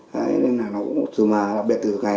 dù mà bệnh tử ngày nó trốn nó cũng không có liên hệ về nhà mấy